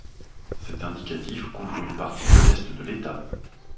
Cet indicatif couvre une partie de l'est de l'État.